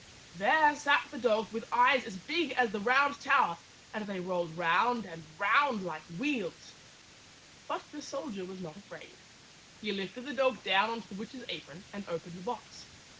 There sat the dog with eyes as big as the Round Tower, and they rolled round and round like wheels. But the soldier was not afraid. He lifted the dog down on to the witch's apron and opened the box.